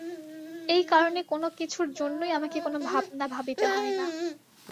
এই কারণে কোনো কিছুর জন্যই আমাকে কোনো ভাবনা ভাবিতে হয় না।